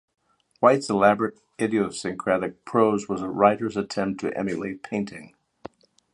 White's elaborate, idiosyncratic prose was a writer's attempt to emulate painting.